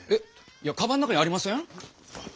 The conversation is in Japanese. いやカバンの中にありません？